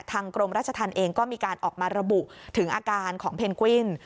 กรมราชธรรมเองก็มีการออกมาระบุถึงอาการของเพนกวิน